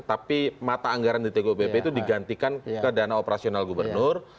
tapi mata anggaran di tgupp itu digantikan ke dana operasional gubernur